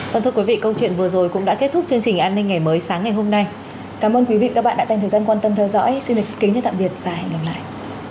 công chuyện vừa rồi cũng đã kết thúc chương trình an ninh ngày mới sáng ngày hôm nay cảm ơn quý vị đã dành thời gian quan tâm theo dõi xin kính chào tạm biệt và hẹn gặp lại